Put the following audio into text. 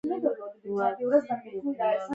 يو کس ورغی، له دوو کسانو سره ودرېد، خو هغوی پورې واهه.